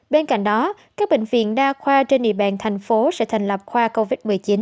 bên cạnh đó các bệnh viện đa khoa trên địa bàn thành phố sẽ thành lập khoa covid một mươi chín